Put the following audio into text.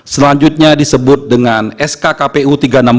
selanjutnya disebut dengan sk kpu tiga ratus enam puluh dua ribu dua puluh empat